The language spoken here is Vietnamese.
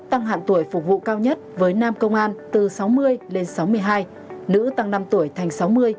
tăng hạn tuổi phục vụ cao nhất với nam công an từ sáu mươi lên sáu mươi hai nữ tăng năm tuổi thành sáu mươi